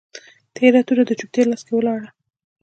تیره توره د چوپتیا لاس کي ولاړه